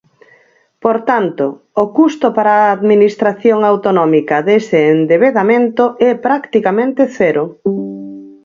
Por tanto, o custo para a Administración autonómica dese endebedamento é practicamente cero.